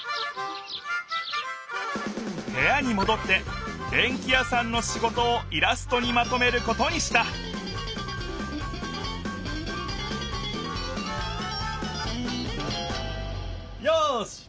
へやにもどってでんき屋さんの仕事をイラストにまとめることにしたよしできた！